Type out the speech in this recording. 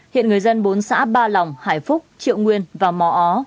hiện người dân bốn xã ba lòng hải phúc triệu nguyên và mò ó